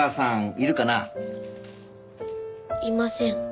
いません。